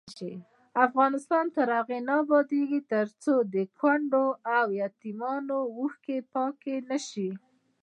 افغانستان تر هغو نه ابادیږي، ترڅو د کونډو او یتیمانو اوښکې پاکې نشي.